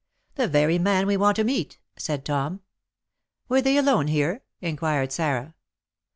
"The very man we want to meet," said Tom. "Were they alone here?" inquired Sarah.